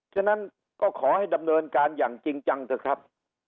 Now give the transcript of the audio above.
ฉะนั้นก็ขอให้ดำเนินการอย่างจริงจังเถอะครับ